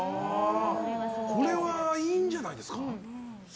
これは、いいんじゃないですか。